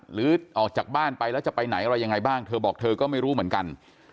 หรือออกจากบ้านไปแล้วจะไปไหนอะไรยังไงบ้างเธอบอกเธอก็ไม่รู้เหมือนกัน